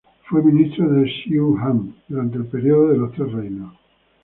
Fue ministro de Shu Han durante el período de los Tres Reinos.